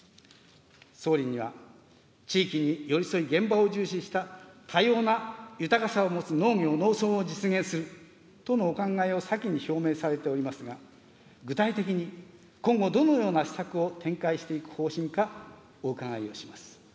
総理には地域に寄り添い、現場を重視した多様な豊かさを持つ農業・農村を実現するとのお考えを先に表明されておりますが、具体的に今後、どのような施策を展開していく方針かお伺いをします。